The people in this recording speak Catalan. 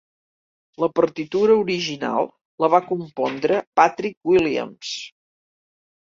La partitura original la va compondre Patrick Williams.